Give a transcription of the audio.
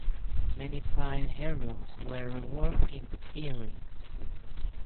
Many fine heirlooms were reworked into earrings.